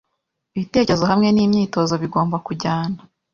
Ibitekerezo hamwe nimyitozo bigomba kujyana.